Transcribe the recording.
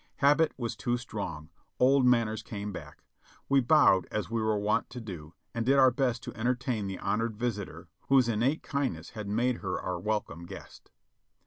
Habit was too strong ; old manners came back ; we bowed as we were wont to do, and did our best to entertain the honored visi tor whose innate kindness had made her our welcome guest.